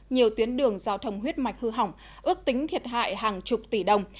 nhiều tuyến đường giao thông huyết mạch hư hỏng ước tính thiệt hại hàng chục tỷ đồng